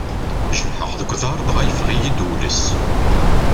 Jerḥeɣ deg uḍar dɣa yeffeɣ-iyi-d uwles.